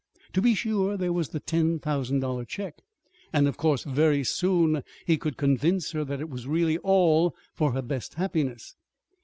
To be sure, there was the ten thousand dollar check; and of course very soon he could convince her that it was really all for her best happiness.